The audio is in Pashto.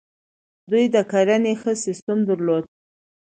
دوی د کرنې ښه سیستم درلود